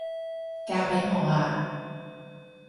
嫁畀我吖？